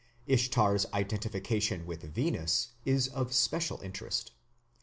Ishtar's identification with Venus is of special interest.